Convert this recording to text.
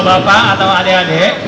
bapak atau adek adek